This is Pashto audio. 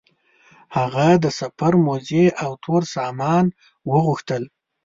هغه د سفر موزې او تور سامان وغوښتل.